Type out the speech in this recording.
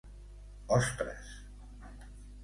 Ostres!